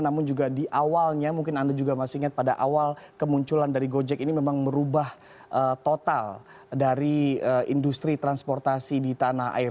namun juga di awalnya mungkin anda juga masih ingat pada awal kemunculan dari gojek ini memang merubah total dari industri transportasi di tanah air